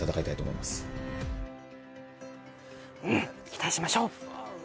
期待しましょう。